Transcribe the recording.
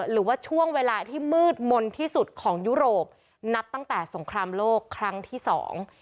หรือว่าช่วงเวลาที่มืดมนต์ที่สุดของยุโรปนับตั้งแต่สงครามโลกครั้งที่สอง